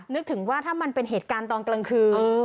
นึกถึงว่าถ้ามันเป็นเหตุการณ์ตอนกลางคืน